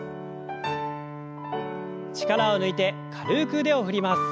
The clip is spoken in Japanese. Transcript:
力を抜いて軽く腕を振ります。